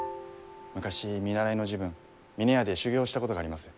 昔見習いの時分峰屋で修業したことがあります。